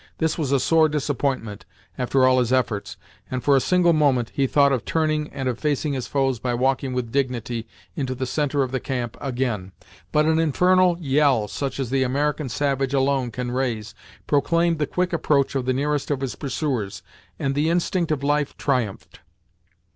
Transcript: This was a sore disappointment, after all his efforts, and, for a single moment, he thought of turning, and of facing his foes by walking with dignity into the centre of the camp again. But an infernal yell, such as the American savage alone can raise, proclaimed the quick approach of the nearest of his pursuers, and the instinct of life triumphed.